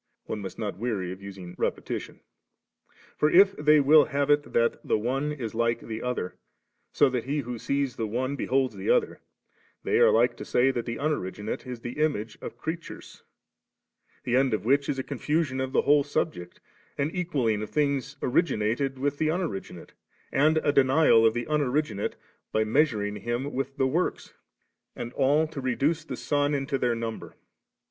(one must not weary of using repetition ;) for if they will have it that die one is like the other, so that he who sees the one beholds the other, they are like to say that the Unoriginate is the image of creatures ; the end of which is a confusion of the whole subject, an equalling of things originated with the Unoriginate^ and a denial of the Unoriginate by measuring Him with the works ; and all to reduce the Son into their number.